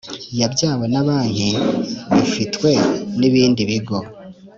yabyawe na banki bifitwe n ibindi bigo